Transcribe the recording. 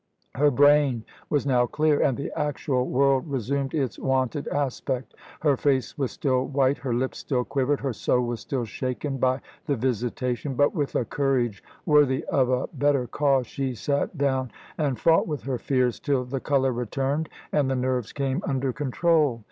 Her brain was now clear, and the actual world resumed its wonted aspect. Her face was still white, her lips still quivered, her soul was still shaken by the visitation. But, with a courage worthy of a better cause, she sat down and fought with her fears, till the colour returned and the nerves came under control.